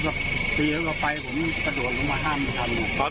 แล้วก็ตีแล้วก็ไปผมกระโดดลงมา๕นิดชั้น